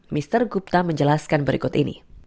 mr gupta menjelaskan berikut ini